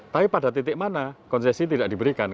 tapi pada titik mana konsesi tidak diberikan